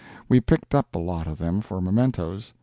We picked up a lot of them for mementoes.